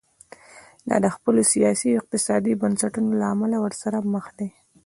دا د خپلو سیاسي او اقتصادي بنسټونو له امله ورسره مخ دي.